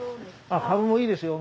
あっカブもいいですよ。